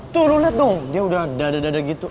tuh lo liat dong dia udah dada dada gitu